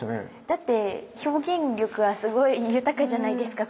だって表現力がすごい豊かじゃないですか